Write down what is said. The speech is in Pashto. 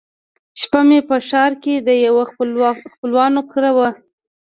شپه مې په ښار کښې د يوه خپلوان کره وه.